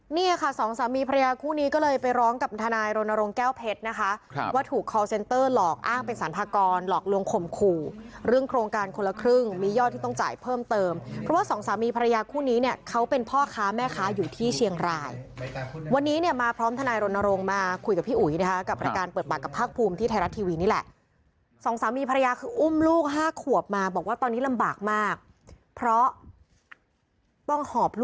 นี่ค่ะสองสามีพระยาคู่นี้ก็เลยไปร้องกับทนายรณรงค์แก้วเพชรนะคะว่าถูกคอลเซ็นเตอร์หลอกอ้างเป็นสรรพากรหลอกลวงคมคูเรื่องโครงการคนละครึ่งมียอดที่ต้องจ่ายเพิ่มเติมเพราะว่าสองสามีพระยาคู่นี้เนี่ยเขาเป็นพ่อค้าแม่ค้าอยู่ที่เชียงรายวันนี้เนี่ยมาพร้อมทนายรณรงค์มาคุยกับพี่อุ๋ยนะคะกับรายการ